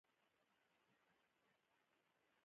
هغوی د تودوخې په لټه کې له یو ځای څخه ځي